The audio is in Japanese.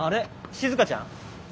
しずかちゃん？